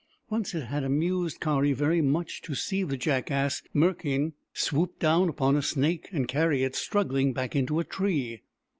Once it had amused Kari very much to see the jackass, Merkein, swoop down upon a snake and carry it, struggling, back into a tree.